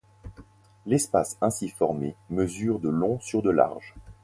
L’espace ainsi formé mesure de long sur de large.